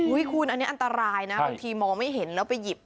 คุณอันนี้อันตรายนะบางทีมองไม่เห็นแล้วไปหยิบ